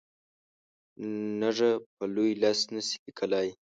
نږه په لوی لاس نه سي لیکلای.